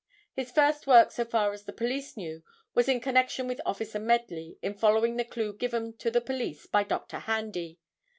His first work, so far as the police knew, was in connection with Officer Medley in following the clue given to the police by Dr. Handy.